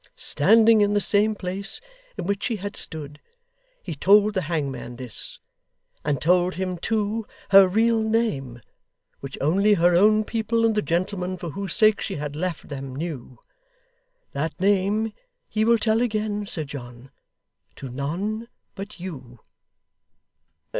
Standing in the same place in which she had stood, he told the hangman this, and told him, too, her real name, which only her own people and the gentleman for whose sake she had left them, knew. That name he will tell again, Sir John, to none but you.